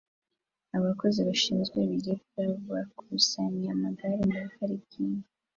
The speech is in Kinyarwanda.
Abakozi bashinzwe ibiribwa bakusanya amagare muri parikingi